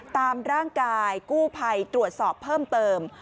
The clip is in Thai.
ตามร่างกายกู้ภัยตรวจสอบเพิ่มเติม